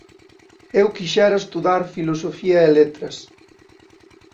Eu quixera estudar Filosofía e Letras.